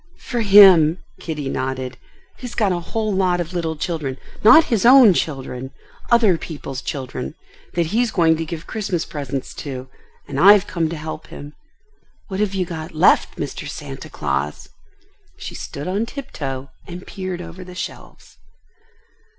"For him," Kitty nodded. "He's got a whole lot of little children—not his own children—other people's children—that he's going to give Christmas presents to, and I've come to help him. What have you got left, Mr. Santa Claus?" She stood on tiptoe and peered over the shelves.